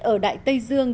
ở đại tây dương